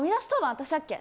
私だっけ？